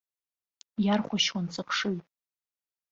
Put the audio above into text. Иархәашьуан сыхшыҩ.